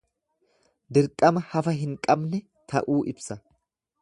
Dirqama hafa hin qabne ta'uu ibsa.